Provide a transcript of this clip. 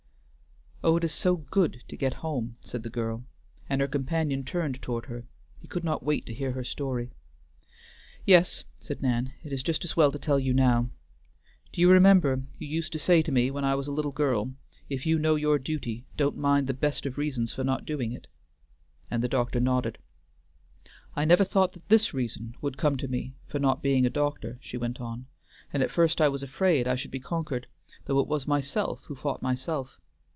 "Oh, it is so good to get home," said the girl, and her companion turned toward her; he could not wait to hear her story. "Yes," said Nan, "it is just as well to tell you now. Do you remember you used to say to me when I was a little girl, 'If you know your duty, don't mind the best of reasons for not doing it'?" And the doctor nodded. "I never thought that this reason would come to me for not being a doctor," she went on, "and at first I was afraid I should be conquered, though it was myself who fought myself.